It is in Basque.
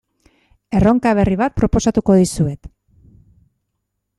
Erronka berri bat proposatuko dizuet.